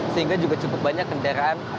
sehingga juga cukup banyak kendaraan